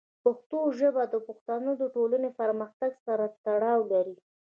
پښتو ژبه د پښتنو د ټولنې فرهنګ سره تړاو لري.